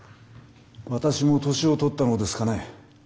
私も年を取ったのですかね。